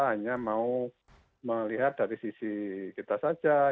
hanya mau melihat dari sisi kita saja